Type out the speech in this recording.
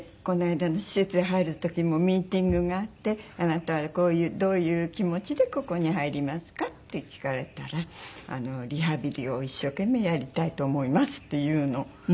この間施設へ入る時もミーティングがあって「あなたはどういう気持ちでここに入りますか？」って聞かれたら「リハビリを一生懸命やりたいと思います」って言うの。